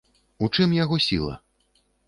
У чым яго сіла?